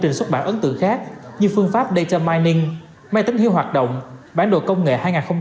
trình xuất bản ấn tượng khác như phương pháp data mining máy tính hiệu hoạt động bản đồ công nghệ